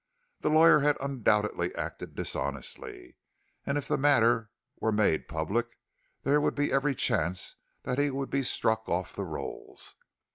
The lawyer had undoubtedly acted dishonestly, and if the matter were made public, there would be every chance that he would be struck off the rolls.